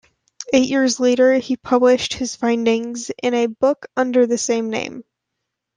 Eight years later, he published his findings in a book under the same name.